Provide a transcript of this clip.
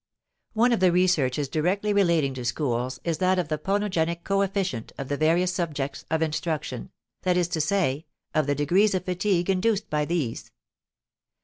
One of the researches directly relating to schools is that of the ponogenic co efficient of the various subjects of instruction, that is to say, of the degrees of fatigue induced by these.